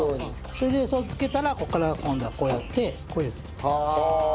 それでそれをつけたらここから今度はこうやってこうです。はあ！